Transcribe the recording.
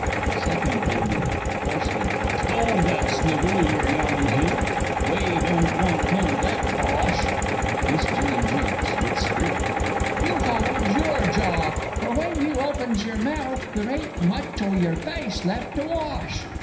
Second Burglar (coarsely). Stow that snivel, yer young himp, we don't want none of that bosh! Miss J. J. (with spirit). You hold your jaw for, when you opens yer mouth, there ain't much o' yer face left to wash!